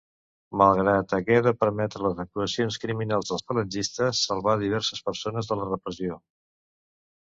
Malgrat hagué de permetre les actuacions criminals dels falangistes, salvà diverses persones de la repressió.